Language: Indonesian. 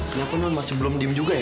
kenapa masih belum diem juga ya